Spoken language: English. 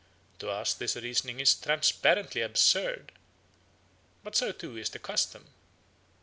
To us this reasoning is transparently absurd, but so too is the custom.